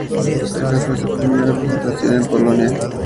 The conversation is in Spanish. Esa fue su primera presentación en Polonia.